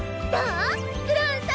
ブラウンさん！